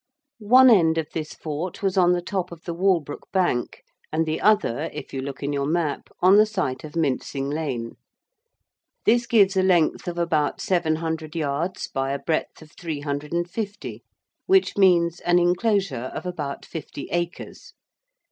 One end of this fort was on the top of the Walbrook bank and the other, if you look in your map, on the site of Mincing Lane. This gives a length of about 700 yards by a breadth of 350, which means an enclosure of about 50 acres.